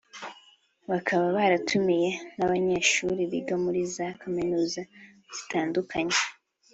bakaba baratumiye n’abanyeshuri biga muri za kaminuza zitandukanye